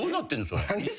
それ。